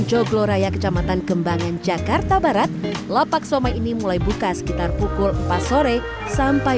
joglo raya kecamatan kembangan jakarta barat lapak somai ini mulai buka sekitar pukul empat sore sampai